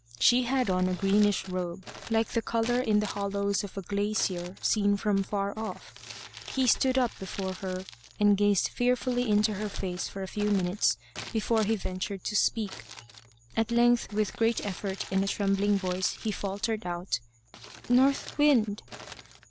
She had on a greenish robe, like the colour in the hollows of a glacier seen from far off. He stood up before her, and gazed fearfully into her face for a few minutes before he ventured to speak. At length, with a great effort and a trembling voice, he faltered out "North Wind!"